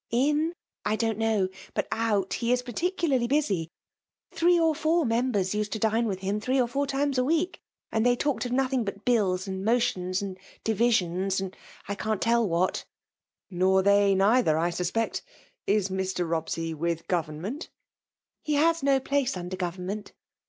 *'" In, I don*t know ; but out, he is particulariy busy. Three or four members used to dine with him three or four times s week, and they talked of nothing but bills, and motions, and dcriaioiis, and I can't tell what'* *• Nor they neither, I suspect 1 — ^Is Mr. Bsbscy with government V* He has no place under government."